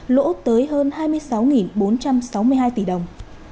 lỗ tới hơn hai mươi sáu bốn trăm sáu mươi hai tỷ đồng